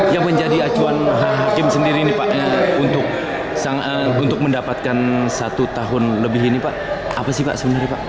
yang menjadi acuan hakim sendiri nih pak untuk mendapatkan satu tahun lebih ini pak apa sih pak sebenarnya pak